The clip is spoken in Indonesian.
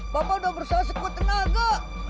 bapak udah berusaha sekuat tenaga